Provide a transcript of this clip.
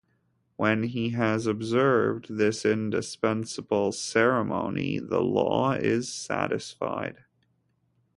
When he has observed this indispensable ceremony, the law is satisfied.